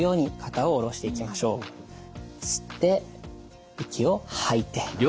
吸って息を吐いて。